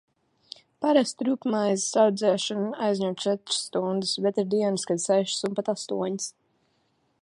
Parasti rupjmaizes raudzēšana aizņem četras stundas, bet ir dienas, kad sešas un pat astoņas.